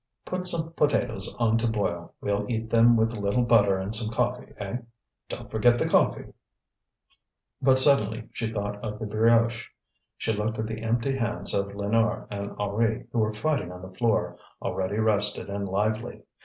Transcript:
Put some potatoes on to boil; we'll eat them with a little butter and some coffee, eh? Don't forget the coffee!" But suddenly she thought of the brioche. She looked at the empty hands of Lénore and Henri who were fighting on the floor, already rested and lively.